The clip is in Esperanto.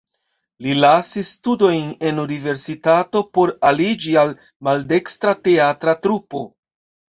Li lasis studojn en universitato por aliĝi al maldekstra teatra trupo.